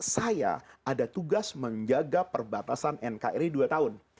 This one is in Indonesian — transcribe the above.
saya ada tugas menjaga perbatasan nkri dua tahun